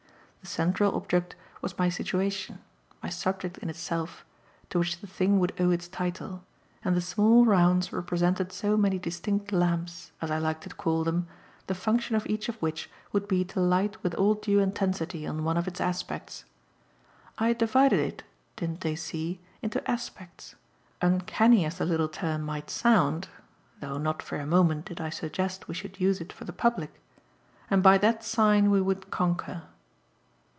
The central object was my situation, my subject in itself, to which the thing would owe its title, and the small rounds represented so many distinct lamps, as I liked to call them, the function of each of which would be to light with all due intensity one of its aspects. I had divided it, didn't they see? into aspects uncanny as the little term might sound (though not for a moment did I suggest we should use it for the public), and by that sign we would conquer.